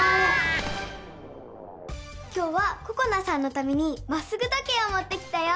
今日はここなさんのためにまっすぐ時計をもってきたよ！